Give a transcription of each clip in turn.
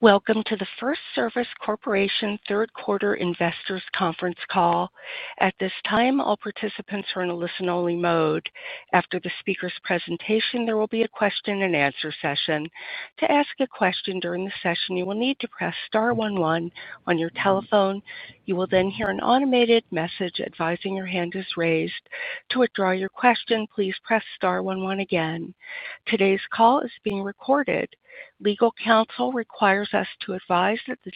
Welcome to the FirstService Corporation third quarter investors conference call. At this time, all participants are in a listen-only mode. After the speaker's presentation, there will be a question and answer session. To ask a question during the session, you will need to press star one one on your telephone. You will then hear an automated message advising your hand is raised. To withdraw your question, please press star one one again. Today's call is being recorded. Legal counsel requires us to advise that the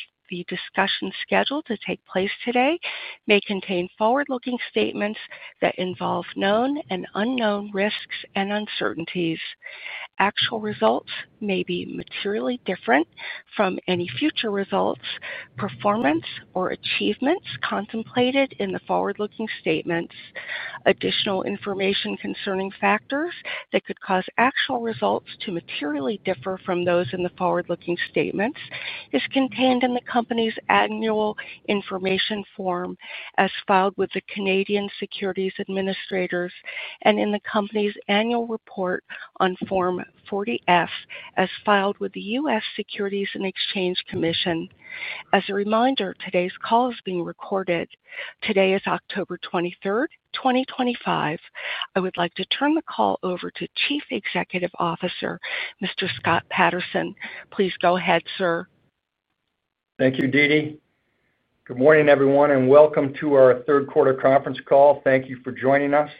discussion scheduled to take place today may contain forward-looking statements that involve known and unknown risks and uncertainties. Actual results may be materially different from any future results, performance, or achievements contemplated in the forward-looking statements. Additional information concerning factors that could cause actual results to materially differ from those in the forward-looking statements is contained in the company's annual information form as filed with the Canadian Securities Administrators and in the company's annual report on Form 40-F as filed with the U.S. Securities and Exchange Commission. As a reminder, today's call is being recorded. Today is October 23rd, 2025. I would like to turn the call over to Chief Executive Officer, Mr. Scott Patterson. Please go ahead, sir. Thank you, DeeDee. Good morning, everyone, and welcome to our third quarter conference call. Thank you for joining us.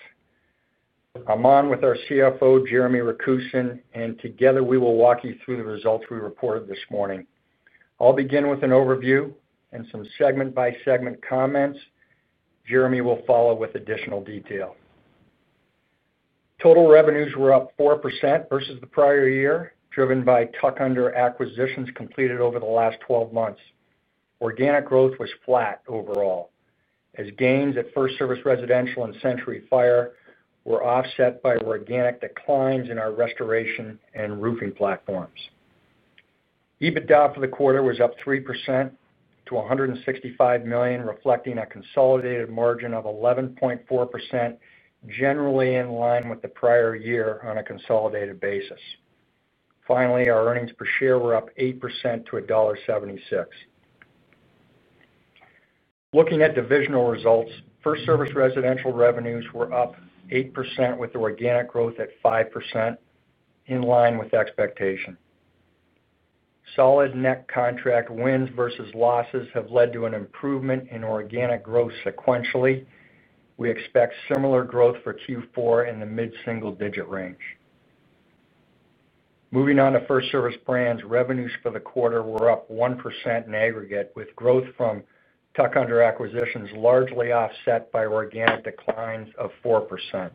I'm on with our CFO, Jeremy Rakusin, and together we will walk you through the results we reported this morning. I'll begin with an overview and some segment-by-segment comments. Jeremy will follow with additional detail. Total revenues were up 4% versus the prior year, driven by tuck-under acquisitions completed over the last 12 months. Organic growth was flat overall, as gains at FirstService Residential and Century Fire were offset by organic declines in our restoration and roofing platforms. EBITDA for the quarter was up 3% to $165 million, reflecting a consolidated margin of 11.4%, generally in line with the prior year on a consolidated basis. Finally, our earnings per share were up 8% to $1.76. Looking at divisional results, FirstService Residential revenues were up 8% with organic growth at 5%, in line with expectation. Solid net contract wins versus losses have led to an improvement in organic growth sequentially. We expect similar growth for Q4 in the mid-single-digit range. Moving on to FirstService Brands, revenues for the quarter were up 1% in aggregate, with growth from tuck-under acquisitions largely offset by organic declines of 4%.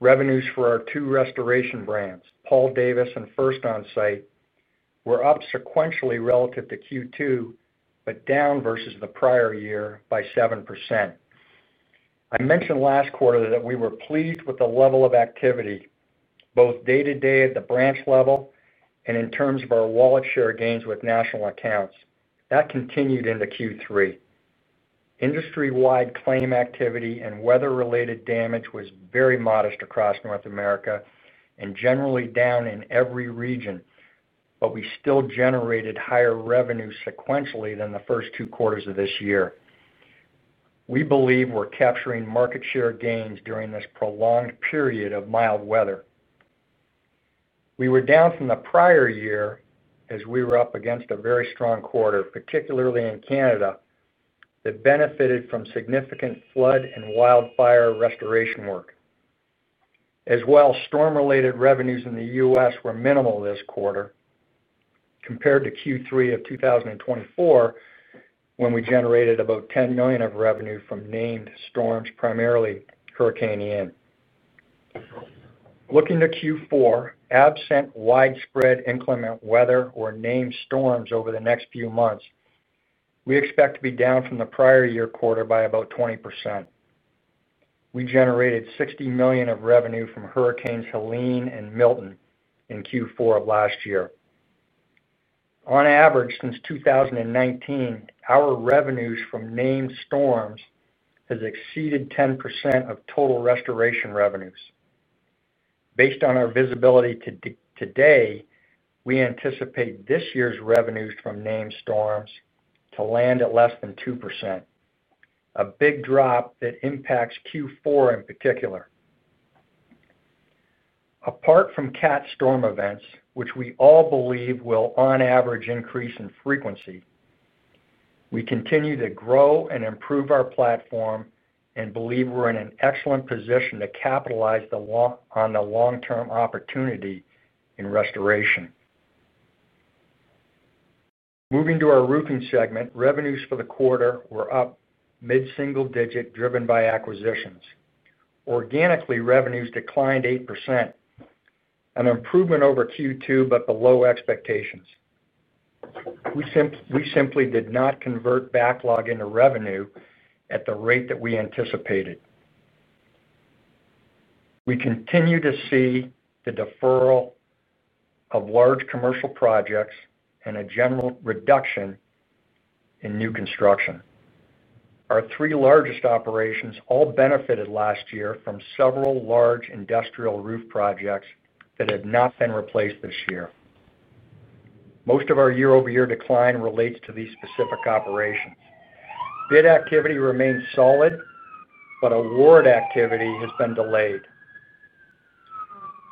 Revenues for our two restoration brands, Paul Davis and First Onsite, were up sequentially relative to Q2, but down versus the prior year by 7%. I mentioned last quarter that we were pleased with the level of activity, both day-to-day at the branch level and in terms of our wallet share gains with national accounts. That continued into Q3. Industry-wide claim activity and weather-related damage was very modest across North America and generally down in every region, but we still generated higher revenue sequentially than the first two quarters of this year. We believe we're capturing market share gains during this prolonged period of mild weather. We were down from the prior year as we were up against a very strong quarter, particularly in Canada, that benefited from significant flood and wildfire restoration work. As well, storm-related revenues in the U.S. were minimal this quarter compared to Q3 of 2022, when we generated about $10 million of revenue from named storms, primarily Hurricane Ian. Looking to Q4, absent widespread inclement weather or named storms over the next few months, we expect to be down from the prior year quarter by about 20%. We generated $60 million of revenue from hurricanes Helene and Milton in Q4 of last year. On average, since 2019, our revenues from named storms have exceeded 10% of total restoration revenues. Based on our visibility to today, we anticipate this year's revenues from named storms to land at less than 2%, a big drop that impacts Q4 in particular. Apart from cat storm events, which we all believe will on average increase in frequency, we continue to grow and improve our platform and believe we're in an excellent position to capitalize on the long-term opportunity in restoration. Moving to our roofing segment, revenues for the quarter were up mid-single digit, driven by acquisitions. Organically, revenues declined 8%, an improvement over Q2 but below expectations. We simply did not convert backlog into revenue at the rate that we anticipated. We continue to see the deferral of large commercial projects and a general reduction in new construction. Our three largest operations all benefited last year from several large industrial roof projects that have not been replaced this year. Most of our year-over-year decline relates to these specific operations. Bid activity remains solid, but award activity has been delayed.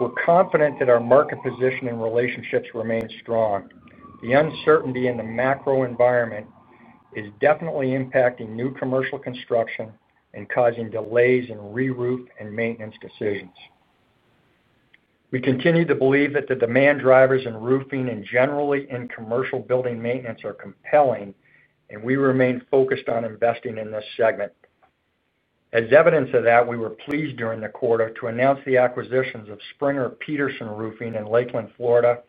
We're confident that our market position and relationships remain strong. The uncertainty in the macro environment is definitely impacting new commercial construction and causing delays in reroof and maintenance decisions. We continue to believe that the demand drivers in roofing and generally in commercial building maintenance are compelling, and we remain focused on investing in this segment. As evidence of that, we were pleased during the quarter to announce the acquisitions of Springer Peterson Roofing in Lakeland, Florida,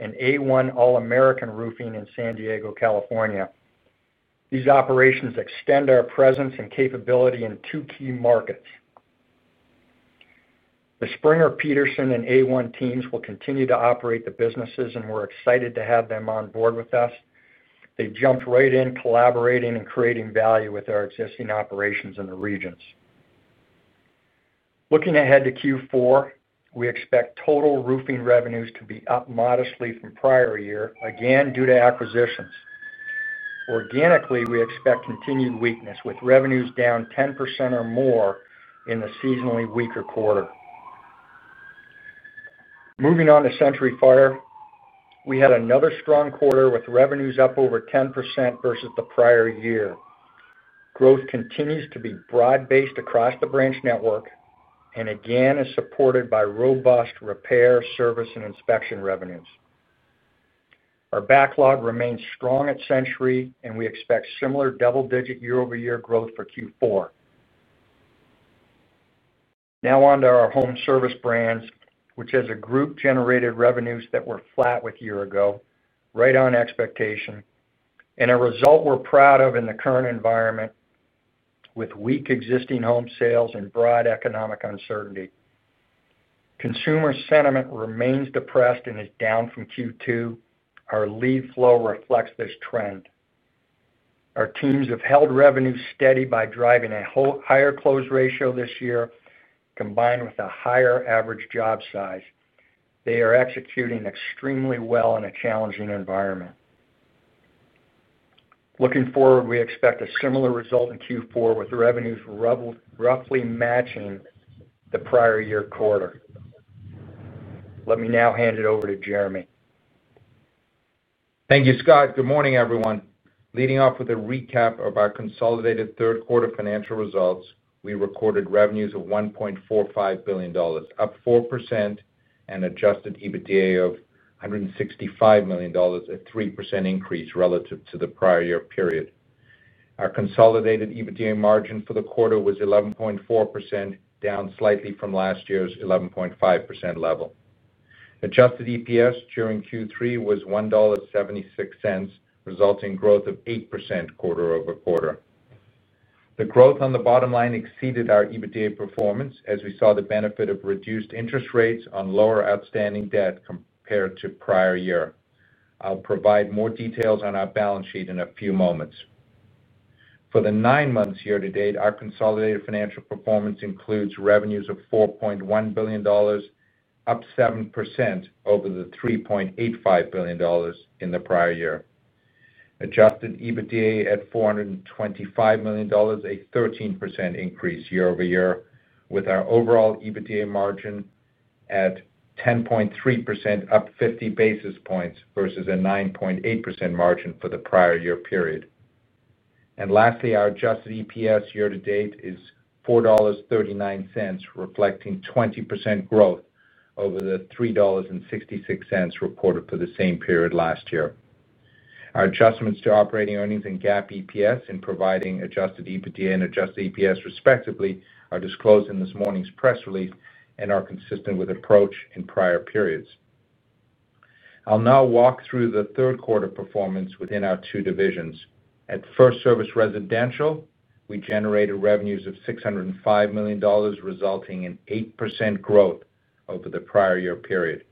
and A1 All American Roofing in San Diego, California. These operations extend our presence and capability in two key markets. The Springer Peterson and A1 teams will continue to operate the businesses, and we're excited to have them on board with us. They jumped right in, collaborating and creating value with our existing operations in the regions. Looking ahead to Q4, we expect total roofing revenues to be up modestly from prior year, again due to acquisitions. Organically, we expect continued weakness with revenues down 10% or more in the seasonally weaker quarter. Moving on to Century Fire Protection, we had another strong quarter with revenues up over 10% versus the prior year. Growth continues to be broad-based across the branch network and again is supported by robust repair, service, and inspection revenues. Our backlog remains strong at Century, and we expect similar double-digit year-over-year growth for Q4. Now on to our Home Service Brands, which has group-generated revenues that were flat with a year ago, right on expectation, and a result we're proud of in the current environment with weak existing home sales and broad economic uncertainty. Consumer sentiment remains depressed and is down from Q2. Our lead flow reflects this trend. Our teams have held revenue steady by driving a higher close ratio this year, combined with a higher average job size. They are executing extremely well in a challenging environment. Looking forward, we expect a similar result in Q4 with revenues roughly matching the prior year quarter. Let me now hand it over to Jeremy. Thank you, Scott. Good morning, everyone. Leading off with a recap of our consolidated third quarter financial results, we recorded revenues of $1.45 billion, up 4%, and an adjusted EBITDA of $165 million, a 3% increase relative to the prior year period. Our consolidated EBITDA margin for the quarter was 11.4%, down slightly from last year's 11.5% level. Adjusted EPS during Q3 was $1.76, resulting in growth of 8% quarter-over-quarter. The growth on the bottom line exceeded our EBITDA performance, as we saw the benefit of reduced interest rates on lower outstanding debt compared to prior year. I'll provide more details on our balance sheet in a few moments. For the nine months year-to-date, our consolidated financial performance includes revenues of $4.1 billion, up 7% over the $3.85 billion in the prior year. Adjusted EBITDA at $425 million, a 13% increase year-over-year, with our overall EBITDA margin at 10.3%, up 50 basis points versus a 9.8% margin for the prior year period. Lastly, our adjusted EPS year to date is $4.39, reflecting 20% growth over the $3.66 reported for the same period last year. Our adjustments to operating earnings and GAAP EPS in providing adjusted EBITDA and adjusted EPS respectively are disclosed in this morning's press release and are consistent with approach in prior periods. I'll now walk through the third quarter performance within our two divisions. At FirstService Residential, we generated revenues of $605 million, resulting in 8% growth over the prior year period.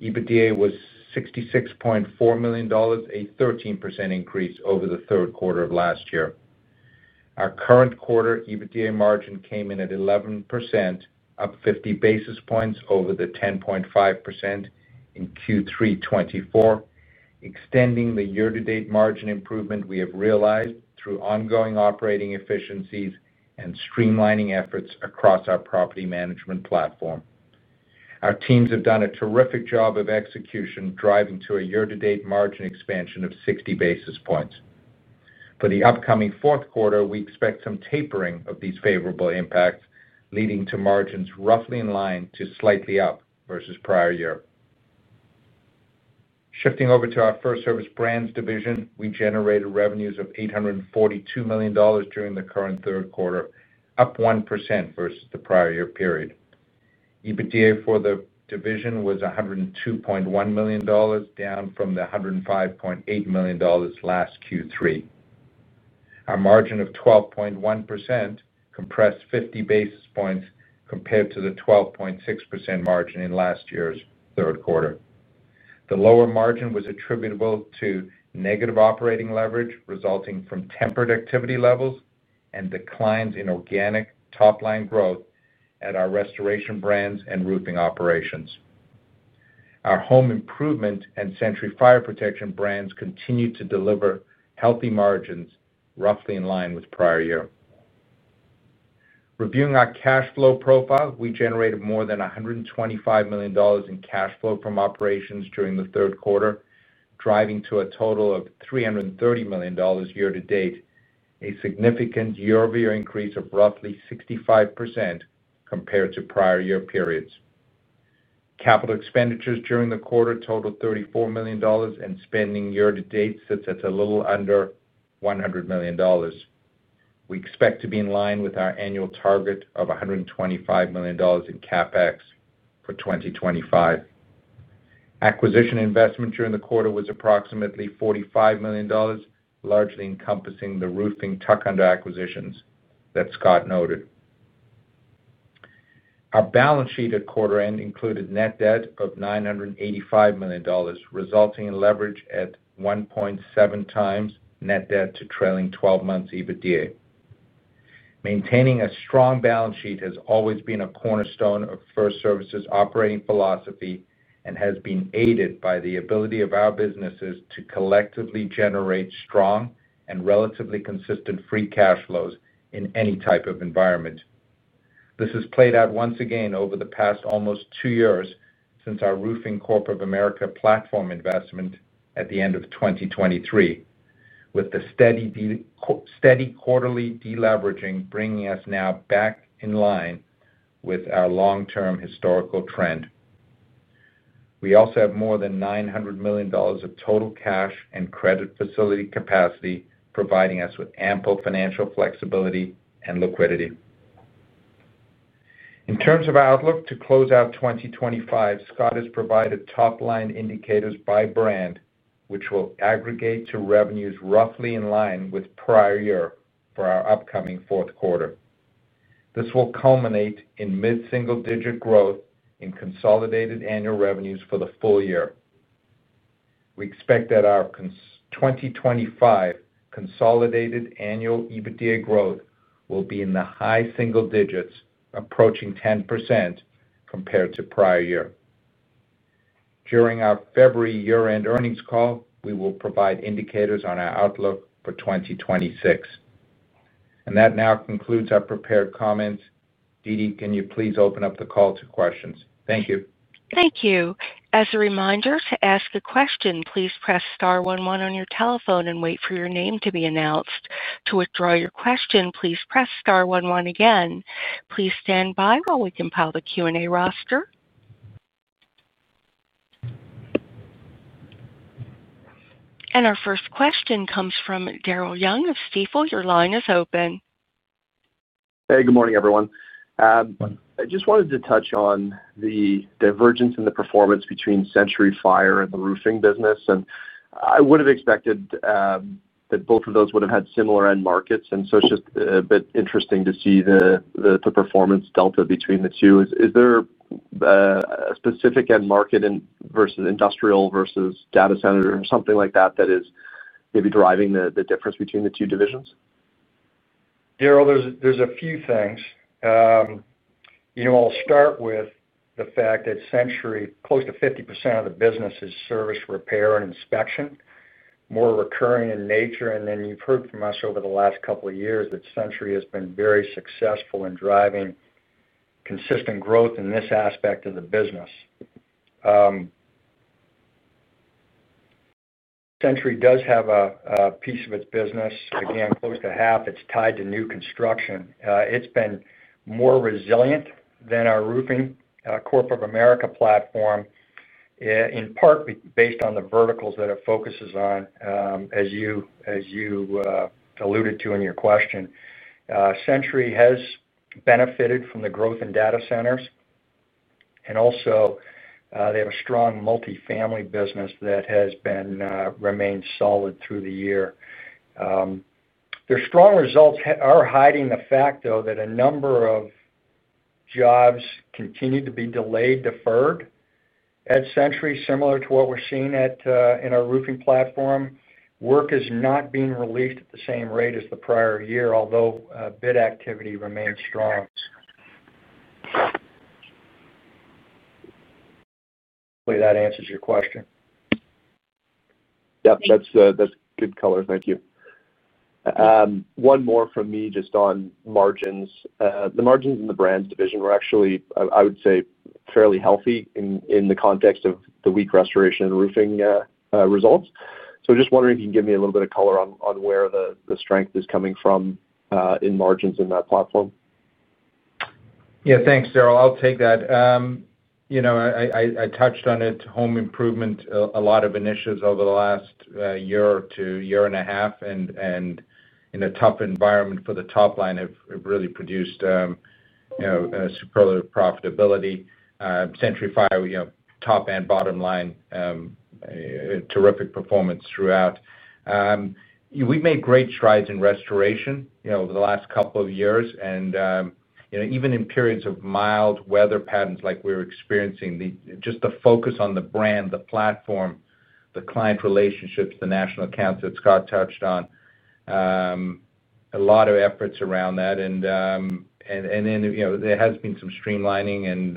EBITDA was $66.4 million, a 13% increase over the third quarter of last year. Our current quarter EBITDA margin came in at 11%, up 50 basis points over the 10.5% in Q3 2024, extending the year-to-date margin improvement we have realized through ongoing operating efficiencies and streamlining efforts across our property management platform. Our teams have done a terrific job of execution, driving to a year-to-date margin expansion of 60 basis points. For the upcoming fourth quarter, we expect some tapering of these favorable impacts, leading to margins roughly in line to slightly up versus prior year. Shifting over to our FirstService Brands division, we generated revenues of $842 million during the current third quarter, up 1% versus the prior year period. EBITDA for the division was $102.1 million, down from the $105.8 million last Q3. Our margin of 12.1% compressed 50 basis points compared to the 12.6% margin in last year's third quarter. The lower margin was attributable to negative operating leverage resulting from tempered activity levels and declines in organic top-line growth at our restoration brands and roofing operations. Our home improvement and Century Fire Protection brands continued to deliver healthy margins roughly in line with prior year. Reviewing our cash flow profile, we generated more than $125 million in cash flow from operations during the third quarter, driving to a total of $330 million year-to-date, a significant year-over-year increase of roughly 65% compared to prior year periods. Capital expenditures during the quarter totaled $34 million, and spending year to date sits at a little under $100 million. We expect to be in line with our annual target of $125 million in CapEx for 2025. Acquisition investment during the quarter was approximately $45 million, largely encompassing the roofing tuck-under acquisitions that Scott noted. Our balance sheet at quarter end included net debt of $985 million, resulting in leverage at 1.7x net debt to trailing 12 months EBITDA. Maintaining a strong balance sheet has always been a cornerstone of FirstService's operating philosophy and has been aided by the ability of our businesses to collectively generate strong and relatively consistent free cash flows in any type of environment. This has played out once again over the past almost two years since our Roofing Corp. of America platform investment at the end of 2023, with the steady quarterly deleveraging bringing us now back in line with our long-term historical trend. We also have more than $900 million of total cash and credit facility capacity, providing us with ample financial flexibility and liquidity. In terms of our outlook to close out 2025, Scott has provided top-line indicators by brand, which will aggregate to revenues roughly in line with prior year for our upcoming fourth quarter. This will culminate in mid-single-digit growth in consolidated annual revenues for the full year. We expect that our 2025 consolidated annual EBITDA growth will be in the high single digits, approaching 10% compared to prior year. During our February year-end earnings call, we will provide indicators on our outlook for 2026. That now concludes our prepared comments. DeeDee, can you please open up the call to questions? Thank you. Thank you. As a reminder, to ask a question, please press star one one on your telephone and wait for your name to be announced. To withdraw your question, please press star one one again. Please stand by while we compile the Q&A roster. Our first question comes from Daryl Young of Stifel. Your line is open. Good morning, everyone. I just wanted to touch on the divergence in the performance between Century Fire and the roofing business. I would have expected that both of those would have had similar end markets. It's just a bit interesting to see the performance delta between the two. Is there a specific end market versus industrial versus data center or something like that that is maybe driving the difference between the two divisions? Daryl, there's a few things. I'll start with the fact that Century Fire Protection, close to 50% of the business, is service, repair, and inspection, more recurring in nature. You've heard from us over the last couple of years that Century has been very successful in driving consistent growth in this aspect of the business. Century does have a piece of its business, again, close to half, that's tied to new construction. It's been more resilient than our Roofing Corp. of America platform, in part based on the verticals that it focuses on. As you alluded to in your question, Century has benefited from the growth in data centers. They also have a strong multifamily business that has remained solid through the year. Their strong results are hiding the fact, though, that a number of jobs continue to be delayed or deferred at Century, similar to what we're seeing in our roofing platforms. Work is not being released at the same rate as the prior year, although bid activity remains strong. Hopefully, that answers your question. Yep, that's good color. Thank you. One more from me just on margins. The margins in the Brands division were actually, I would say, fairly healthy in the context of the weak restoration and roofing results. I'm just wondering if you can give me a little bit of color on where the strength is coming from in margins in that platform. Yeah, thanks, Daryl. I'll take that. I touched on it. Home improvement, a lot of initiatives over the last year or two, year and a half, and in a tough environment for the top line have really produced superlative profitability. Century Fire, top and bottom line, terrific performance throughout. We've made great strides in restoration over the last couple of years. Even in periods of mild weather patterns like we were experiencing, just the focus on the brand, the platform, the client relationships, the national accounts that Scott touched on, a lot of efforts around that. There has been some streamlining and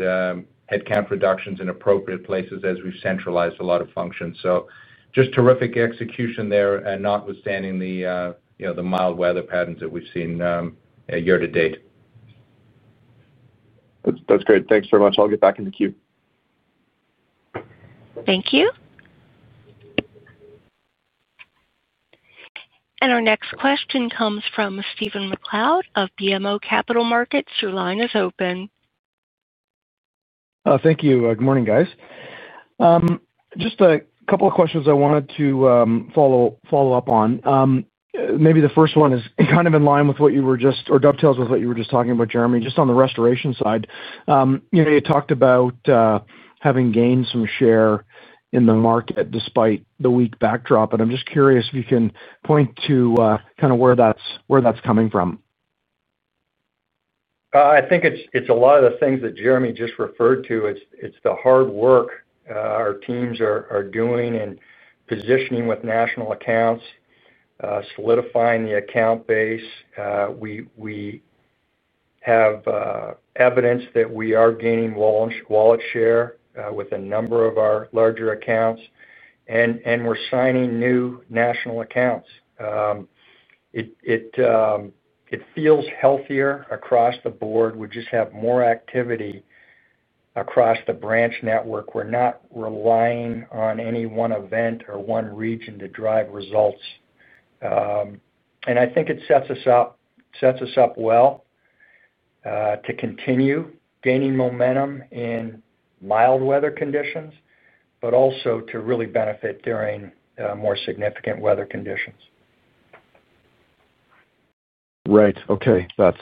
headcount reductions in appropriate places as we've centralized a lot of functions. Just terrific execution there, notwithstanding the mild weather patterns that we've seen year to date. That's great. Thanks very much. I'll get back in the queue. Thank you. Our next question comes from Stephen MacLeod of BMO Capital Markets. Your line is open. Thank you. Good morning, guys. Just a couple of questions I wanted to follow up on. Maybe the first one is kind of in line with what you were just, or dovetails with what you were just talking about, Jeremy, just on the restoration side. You talked about having gained some share in the market despite the weak backdrop. I'm just curious if you can point to kind of where that's coming from. I think it's a lot of the things that Jeremy just referred to. It's the hard work our teams are doing in positioning with national accounts, solidifying the account base. We have evidence that we are gaining wallet share with a number of our larger accounts, and we're signing new national accounts. It feels healthier across the board. We just have more activity across the branch network. We're not relying on any one event or one region to drive results. I think it sets us up well to continue gaining momentum in mild weather conditions, but also to really benefit during more significant weather conditions. Right. Okay. That's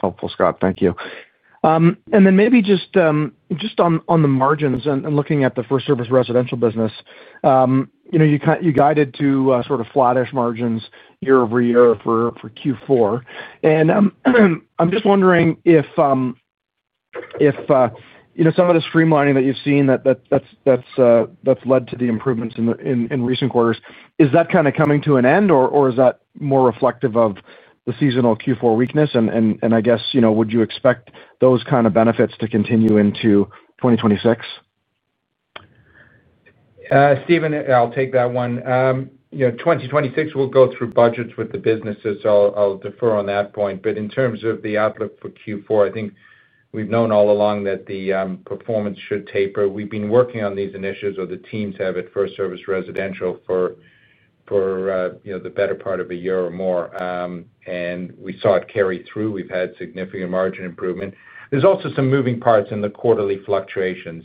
helpful, Scott. Thank you. Maybe just on the margins and looking at the FirstService Residential business, you guided to sort of flattish margins year over year for Q4. I'm just wondering if some of the streamlining that you've seen that's led to the improvements in recent quarters, is that kind of coming to an end, or is that more reflective of the seasonal Q4 weakness? I guess, you know, would you expect those kind of benefits to continue into 2026? Stephen, I'll take that one. You know, 2026 we'll go through budgets with the businesses, so I'll defer on that point. In terms of the outlook for Q4, I think we've known all along that the performance should taper. We've been working on these initiatives or the teams have at FirstService Residential for the better part of a year or more, and we saw it carry through. We've had significant margin improvement. There's also some moving parts in the quarterly fluctuations.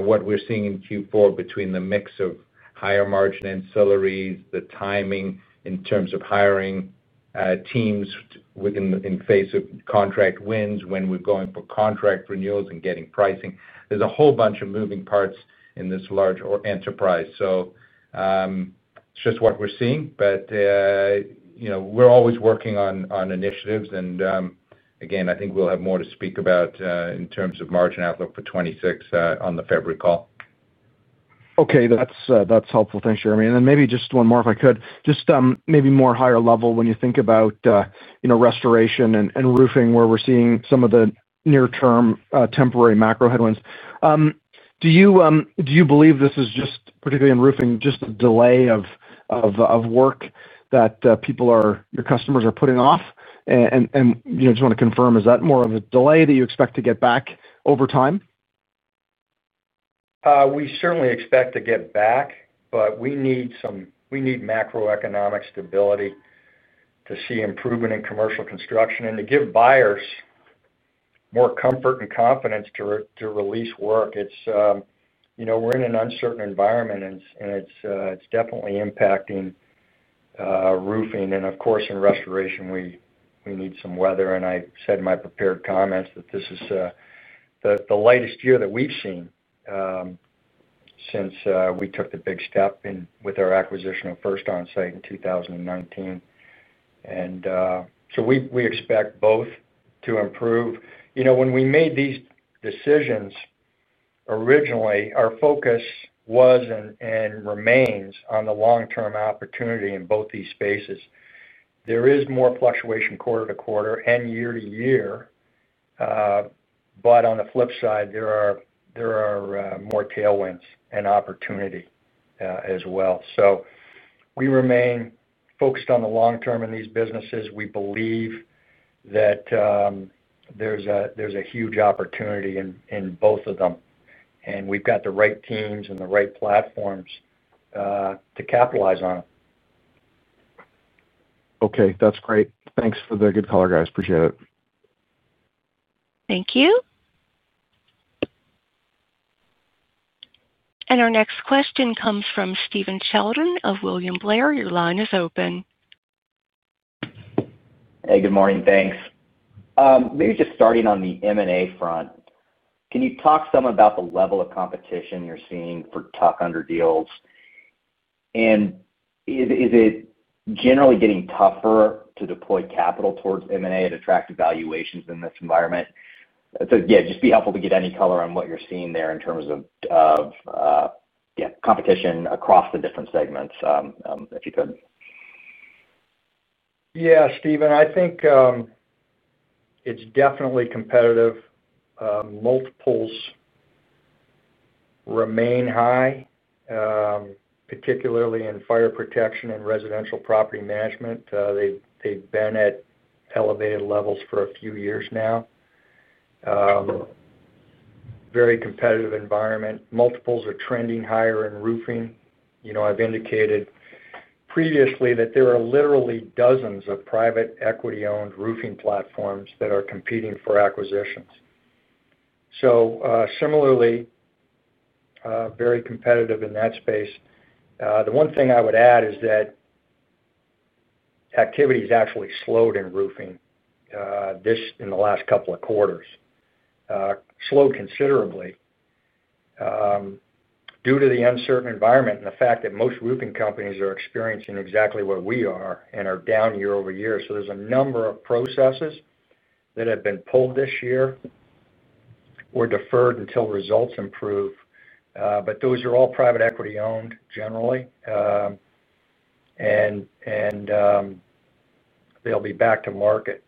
What we're seeing in Q4 between the mix of higher margin ancillaries, the timing in terms of hiring teams in the face of contract wins, when we're going for contract renewals and getting pricing, there's a whole bunch of moving parts in this large enterprise. It's just what we're seeing. We're always working on initiatives. Again, I think we'll have more to speak about in terms of margin outlook for 2026 on the February call. Okay. That's helpful. Thanks, Jeremy. Maybe just one more if I could. Just maybe more higher level, when you think about, you know, restoration and roofing, where we're seeing some of the near-term temporary macro headwinds, do you believe this is just particularly in roofing, just a delay of work that people are, your customers are putting off? I just want to confirm, is that more of a delay that you expect to get back over time? We certainly expect to get back, but we need some macroeconomic stability to see improvement in commercial construction and to give buyers more comfort and confidence to release work. We're in an uncertain environment, and it's definitely impacting roofing. Of course, in restoration, we need some weather. I said in my prepared comments that this is the lightest year that we've seen since we took the big step with our acquisition of First Onsite in 2019. We expect both to improve. When we made these decisions originally, our focus was and remains on the long-term opportunity in both these spaces. There is more fluctuation quarter-to-quarter and year-to-year. On the flip side, there are more tailwinds and opportunity as well. We remain focused on the long term in these businesses. We believe that there's a huge opportunity in both of them. We've got the right teams and the right platforms to capitalize on them. Okay, that's great. Thanks for the good color, guys. Appreciate it. Thank you. Our next question comes from Stephen Chelton of William Blair. Your line is open. Hey, good morning. Thanks. Maybe just starting on the M&A front, can you talk some about the level of competition you're seeing for tuck-under deals? Is it generally getting tougher to deploy capital towards M&A at attractive valuations in this environment? It'd just be helpful to get any color on what you're seeing there in terms of competition across the different segments, if you could. Yeah, Stephen, I think it's definitely competitive. Multiples remain high, particularly in fire protection and residential property management. They've been at elevated levels for a few years now. Very competitive environment. Multiples are trending higher in roofing. I've indicated previously that there are literally dozens of private equity-owned roofing platforms that are competing for acquisitions. Similarly, very competitive in that space. The one thing I would add is that activity has actually slowed in roofing in the last couple of quarters, slowed considerably due to the uncertain environment and the fact that most roofing companies are experiencing exactly what we are and are down year-over-year. There's a number of processes that have been pulled this year or deferred until results improve. Those are all private equity-owned generally, and they'll be back to market.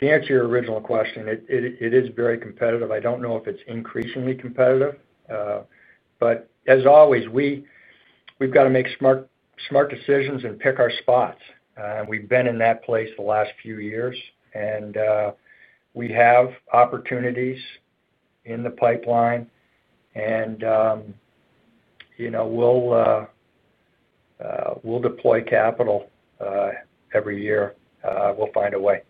To answer your original question, it is very competitive. I don't know if it's increasingly competitive. As always, we've got to make smart decisions and pick our spots. We've been in that place the last few years. We have opportunities in the pipeline, and we'll deploy capital every year. We'll find a way.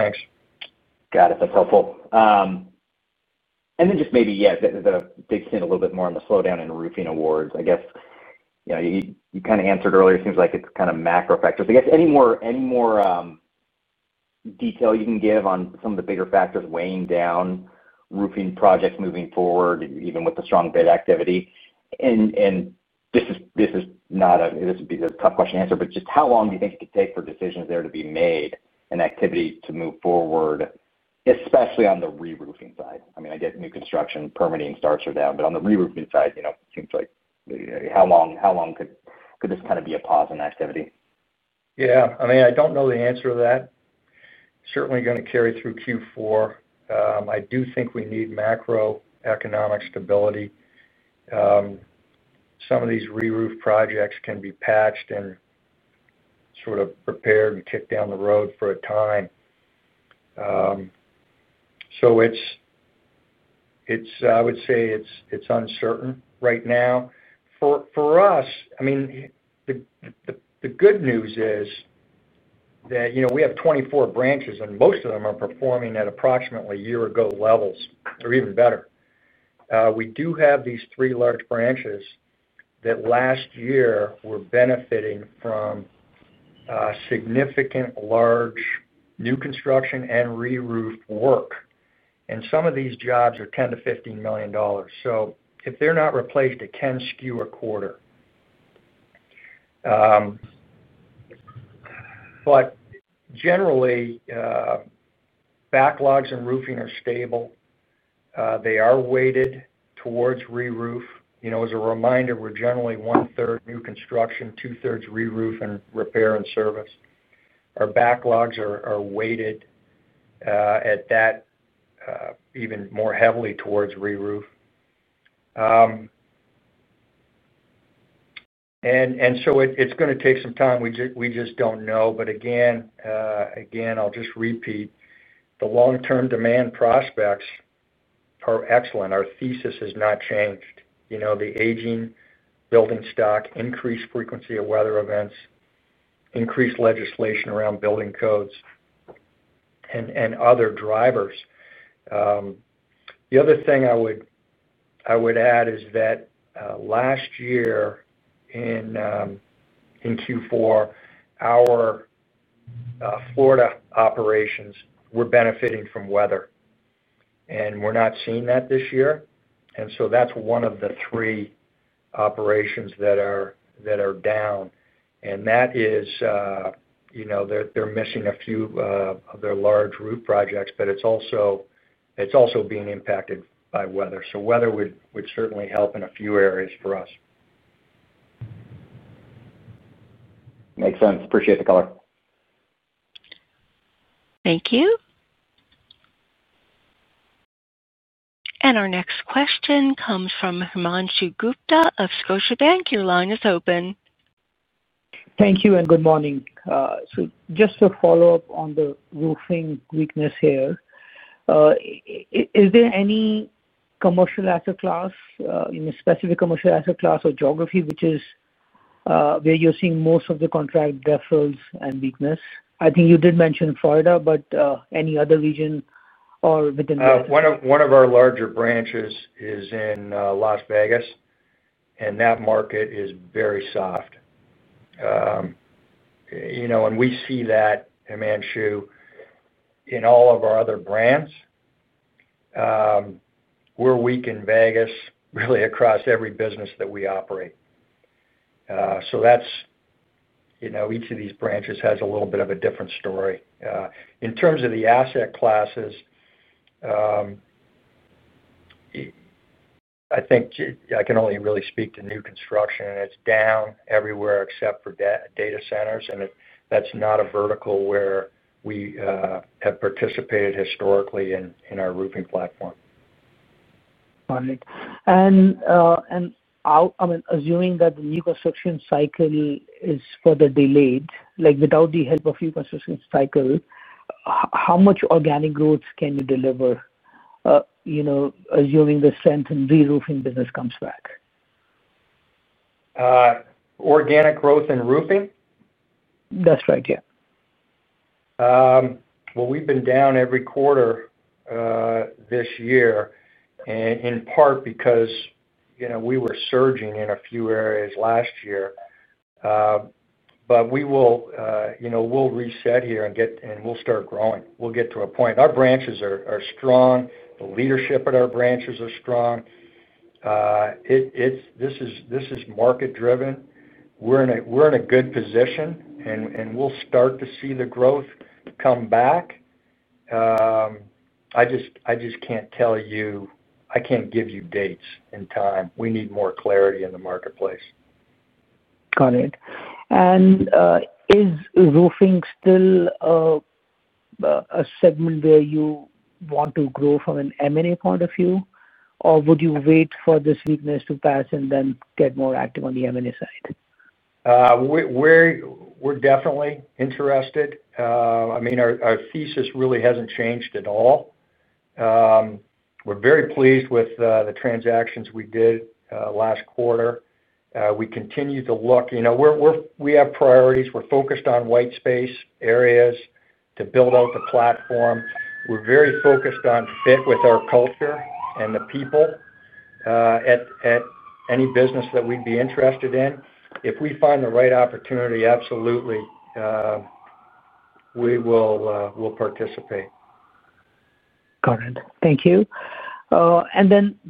Thanks. Got it. That's helpful. To dig in a little bit more on the slowdown in roofing awards, I guess you kind of answered earlier. It seems like it's kind of macro factors. Any more detail you can give on some of the bigger factors weighing down roofing projects moving forward, even with the strong bid activity? This would be a tough question to answer, but just how long do you think it could take for decisions there to be made and activity to move forward, especially on the reroofing side? I mean, I get new construction permitting starts are down, but on the reroofing side, it seems like how long could this kind of be a pause in activity? Yeah. I mean, I don't know the answer to that. It's certainly going to carry through Q4. I do think we need macroeconomic stability. Some of these reroof projects can be patched and sort of prepared and kicked down the road for a time. It's, I would say, it's uncertain right now. For us, the good news is that we have 24 branches, and most of them are performing at approximately year-ago levels or even better. We do have these three large branches that last year were benefiting from significant large new construction and reroof work. Some of these jobs are $10 million-$15 million. If they're not replaced, it can skew a quarter. Generally, backlogs in roofing are stable. They are weighted towards reroof. As a reminder, we're generally one-third new construction, two-thirds reroof and repair and service. Our backlogs are weighted even more heavily towards reroof. It's going to take some time. We just don't know. I'll just repeat, the long-term demand prospects are excellent. Our thesis has not changed. The aging building stock, increased frequency of weather events, increased legislation around building codes, and other drivers. The other thing I would add is that last year in Q4, our Florida operations were benefiting from weather. We're not seeing that this year. That's one of the three operations that are down. They're missing a few of their large roof projects, but it's also being impacted by weather. Weather would certainly help in a few areas for us. Makes sense. Appreciate the color. Thank you. Our next question comes from Harmanshu Gupta of Scotiabank. Your line is open. Thank you. Good morning. Just to follow up on the roofing weakness here, is there any commercial asset class, specific commercial asset class or geography where you're seeing most of the contract deferrals and weakness? I think you did mention Florida, but any other region or within the? One of our larger branches is in Las Vegas, and that market is very soft. We see that, Harmanshu, in all of our other brands. We're weak in Vegas, really across every business that we operate. Each of these branches has a little bit of a different story. In terms of the asset classes, I think I can only really speak to new construction. It's down everywhere except for data centers. That's not a vertical where we have participated historically in our roofing platform. Got it. I'm assuming that the new construction cycle is further delayed. Without the help of the new construction cycle, how much organic growth can you deliver, assuming the strength in reroofing business comes back? Organic growth in roofing? That's right, yeah. We've been down every quarter this year, in part because we were surging in a few areas last year. We will reset here and start growing. We'll get to a point. Our branches are strong. The leadership at our branches are strong. This is market-driven. We're in a good position, and we'll start to see the growth come back. I just can't tell you, I can't give you dates and time. We need more clarity in the marketplace. Is roofing still a segment where you want to grow from an M&A point of view, or would you wait for this weakness to pass and then get more active on the M&A side? We're definitely interested. I mean, our thesis really hasn't changed at all. We're very pleased with the transactions we did last quarter. We continue to look. We have priorities. We're focused on white space areas to build out the platform. We're very focused on fit with our culture and the people at any business that we'd be interested in. If we find the right opportunity, absolutely, we will participate. Got it. Thank you.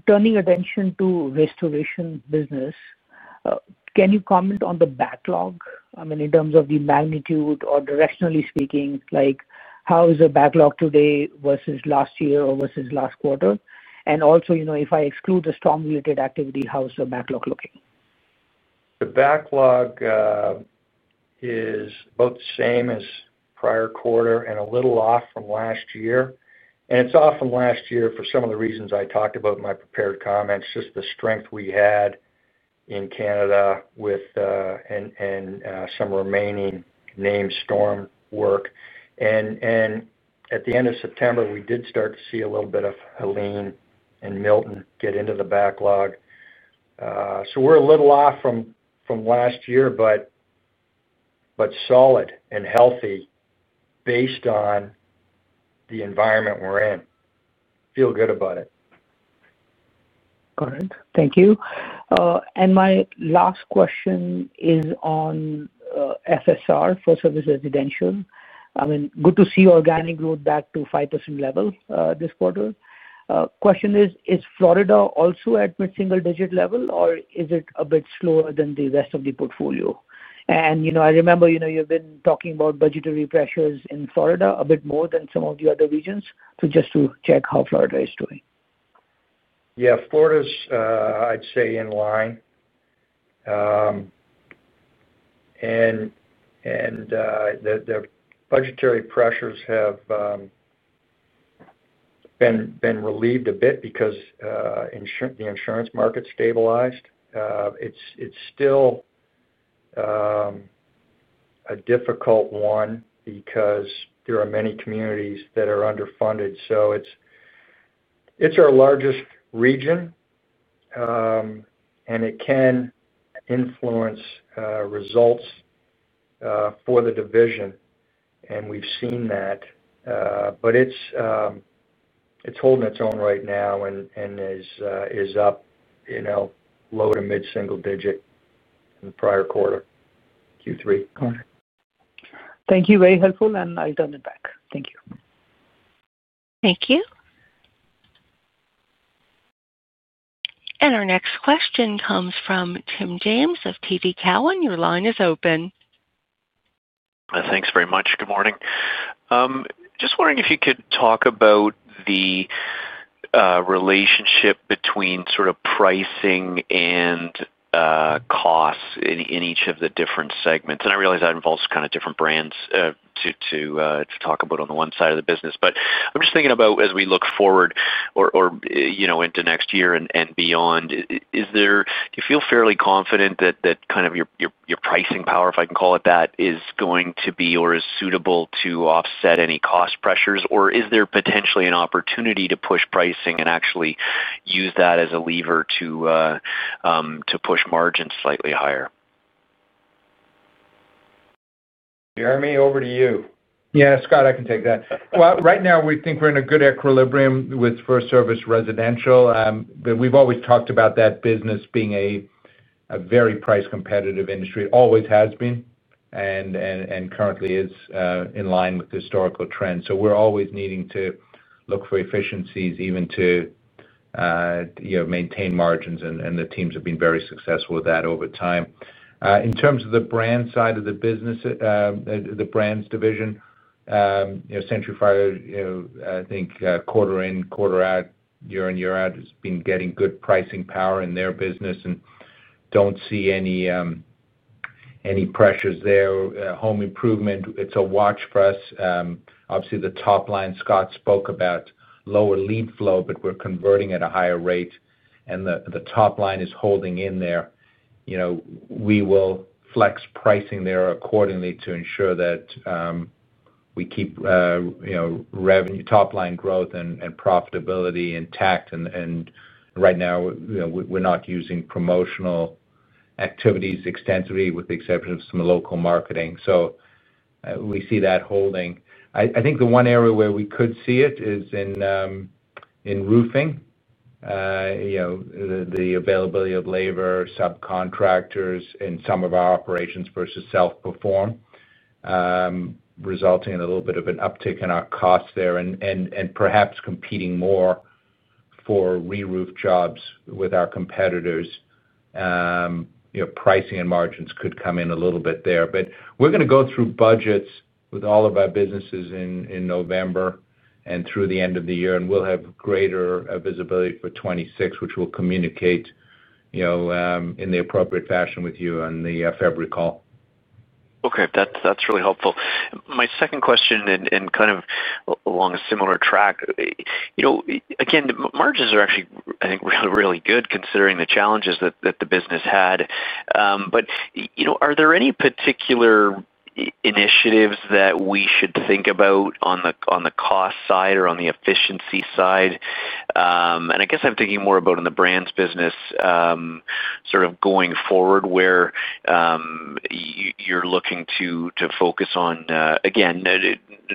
Turning attention to restoration business, can you comment on the backlog? In terms of the magnitude or directionally speaking, how is the backlog today versus last year or versus last quarter? Also, if I exclude the storm-related activity, how is the backlog looking? The backlog is both the same as prior quarter and a little off from last year. It's off from last year for some of the reasons I talked about in my prepared comments, just the strength we had in Canada with some remaining named storm work. At the end of September, we did start to see a little bit of Helene and Milton get into the backlog. We're a little off from last year, but solid and healthy based on the environment we're in. Feel good about it. Got it. Thank you. My last question is on FSR, FirstService Residential. I mean, good to see organic growth back to 5% level this quarter. The question is, is Florida also at mid-single-digit level, or is it a bit slower than the rest of the portfolio? I remember you've been talking about budgetary pressures in Florida a bit more than some of the other regions. Just to check how Florida is doing. Yeah, Florida's, I'd say, in line. The budgetary pressures have been relieved a bit because the insurance market stabilized. It's still a difficult one because there are many communities that are underfunded. It's our largest region, and it can influence results for the division. We've seen that. It's holding its own right now and is up, you know, low to mid-single digit in the prior quarter, Q3. Got it. Thank you. Very helpful. I'll turn it back. Thank you. Thank you. Our next question comes from Tim James of TD Cowen. Your line is open. Thanks very much. Good morning. Just wondering if you could talk about the relationship between sort of pricing and costs in each of the different segments. I realize that involves kind of different brands to talk about on the one side of the business. I'm just thinking about as we look forward or, you know, into next year and beyond, do you feel fairly confident that kind of your pricing power, if I can call it that, is going to be or is suitable to offset any cost pressures? Is there potentially an opportunity to push pricing and actually use that as a lever to push margins slightly higher? Jeremy, over to you. Yeah, Scott, I can take that. Right now, we think we're in a good equilibrium with FirstService Residential. We've always talked about that business being a very price-competitive industry. It always has been and currently is in line with the historical trend. We're always needing to look for efficiencies even to maintain margins. The teams have been very successful with that over time. In terms of the brand side of the business, the Brands division, Century Fire, I think quarter in, quarter out, year in, year out, has been getting good pricing power in their business and don't see any pressures there. Home improvement, it's a watch for us. Obviously, the top line, Scott spoke about lower lead flow, but we're converting at a higher rate. The top line is holding in there. We will flex pricing there accordingly to ensure that we keep top line growth and profitability intact. Right now, we're not using promotional activities extensively with the exception of some local marketing. We see that holding. I think the one area where we could see it is in roofing, the availability of labor, subcontractors, and some of our operations versus self-perform, resulting in a little bit of an uptick in our costs there and perhaps competing more for reroof jobs with our competitors. Pricing and margins could come in a little bit there. We're going to go through budgets with all of our businesses in November and through the end of the year. We'll have greater visibility for 2026, which we'll communicate in the appropriate fashion with you on the February call. Okay. That's really helpful. My second question, and kind of along a similar track, you know, again, the margins are actually, I think, really good considering the challenges that the business had. Are there any particular initiatives that we should think about on the cost side or on the efficiency side? I guess I'm thinking more about in the Brands business going forward where you're looking to focus on, again,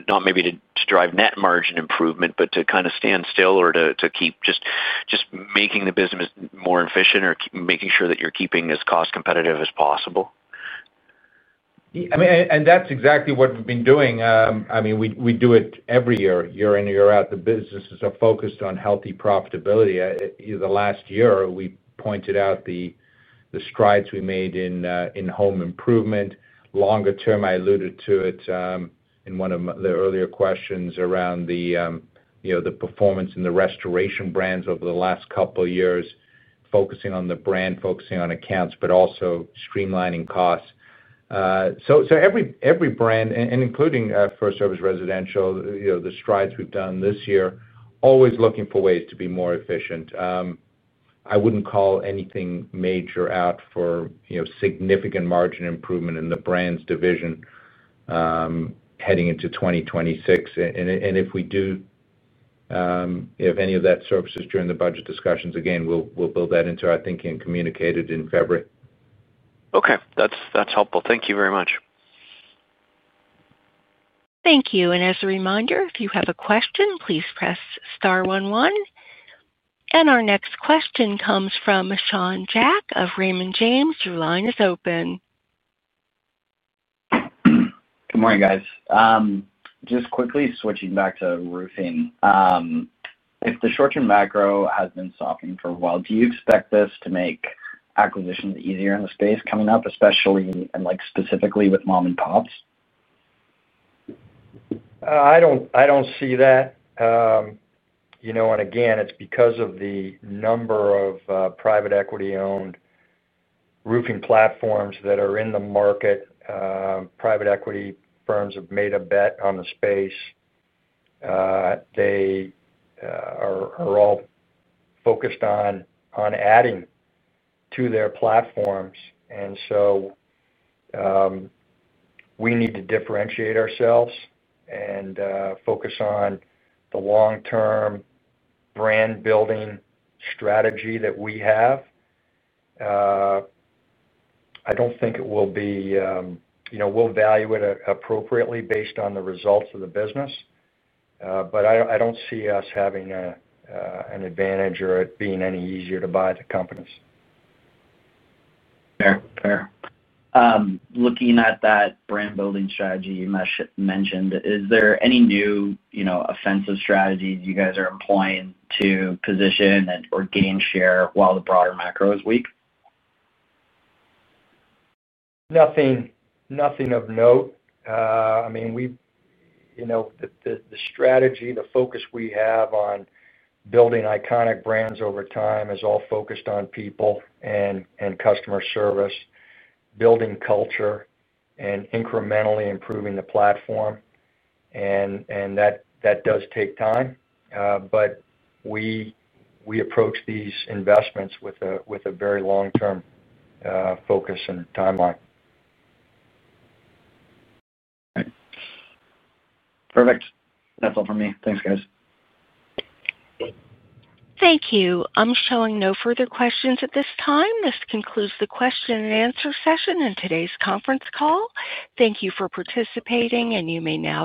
not maybe to drive net margin improvement, but to kind of stand still or to keep just making the business more efficient or making sure that you're keeping as cost-competitive as possible. Yeah. I mean, that's exactly what we've been doing. I mean, we do it every year, year in and year out. The businesses are focused on healthy profitability. Last year, we pointed out the strides we made in home improvement. Longer term, I alluded to it in one of the earlier questions around the performance in the restoration brands over the last couple of years, focusing on the brand, focusing on accounts, but also streamlining costs. Every brand, including FirstService Residential, the strides we've done this year, always looking for ways to be more efficient. I wouldn't call anything major out for significant margin improvement in the Brands division heading into 2026. If any of that surfaces during the budget discussions, we'll build that into our thinking and communicate it in February. Okay, that's helpful. Thank you very much. Thank you. As a reminder, if you have a question, please press star star one one. Our next question comes from Sean Jack of Raymond James. Your line is open. Good morning, guys. Quickly switching back to roofing, if the short-term macro has been softening for a while, do you expect this to make acquisitions easier in the space coming up, especially, like, specifically with mom-and-pops? I don't see that. You know, it's because of the number of private equity-owned roofing platforms that are in the market. Private equity firms have made a bet on the space. They are all focused on adding to their platforms. We need to differentiate ourselves and focus on the long-term brand-building strategy that we have. I don't think it will be, you know, we'll value it appropriately based on the results of the business. I don't see us having an advantage or it being any easier to buy the company. Yeah, fair. Looking at that brand-building strategy you mentioned, is there any new offensive strategies you guys are employing to position or gain share while the broader macro is weak? Nothing of note. I mean, the strategy, the focus we have on building iconic brands over time is all focused on people and customer service, building culture, and incrementally improving the platform. That does take time. We approach these investments with a very long-term focus and timeline. Perfect. That's all for me. Thanks, guys. Thank you. I'm showing no further questions at this time. This concludes the question and answer session in today's conference call. Thank you for participating, and you may now disconnect.